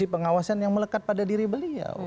pengawasan yang melekat pada diri beliau